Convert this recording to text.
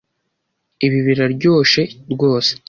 Ibi biraryoshe rwose.